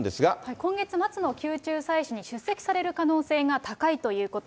今月末の宮中祭祀に出席される可能性が高いということ。